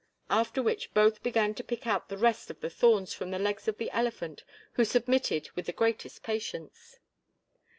After which both began to pick out the rest of the thorns from the legs of the elephant who submitted with the greatest patience.